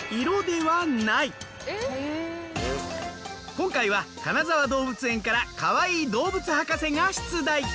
今回は金沢動物園からかわいい動物博士が出題。